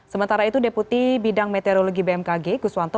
sementara itu deputi bidang meteorologi bmkg gus wanto